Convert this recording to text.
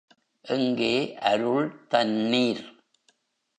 எங்கே அருள் தண்ணீர்?